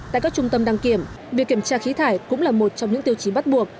tại các trung tâm đăng kiểm việc kiểm tra khí thải cũng là một trong những tiêu chí bắt buộc